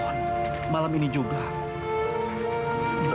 masih bisa lebih banyak saya udah gaji bok